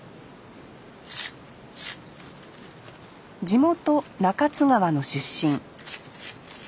地元中津川の出身。